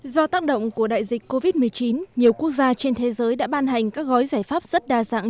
do tác động của đại dịch covid một mươi chín nhiều quốc gia trên thế giới đã ban hành các gói giải pháp rất đa dạng